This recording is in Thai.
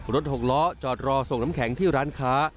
หกล้อจอดรอส่งน้ำแข็งที่ร้านค้า